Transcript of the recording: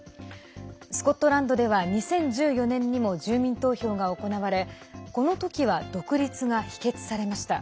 スコットランドでは２０１４年にも住民投票が行われこの時は独立が否決されました。